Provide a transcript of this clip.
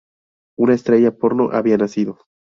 Una estrella porno había nacido.